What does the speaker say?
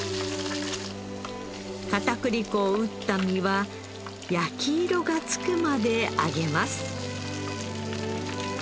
片栗粉を打った身は焼き色がつくまで揚げます